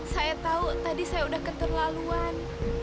saya tahu tadi saya sudah keterlaluan